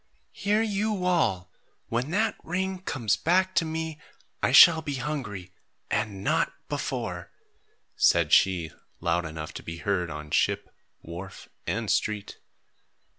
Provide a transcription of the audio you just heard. "Hear you all! When that ring comes back to me, I shall be hungry and not before," said she, loud enough to be heard on ship, wharf, and street.